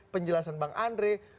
penjelasan bang andre